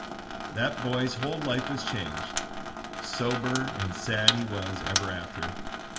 That boy's whole life was changed; sober and sad he was ever after.